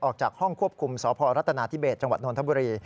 ออกจากห้องควบคุมสพรัฐนาธิเบสจังหวัดนทบุรี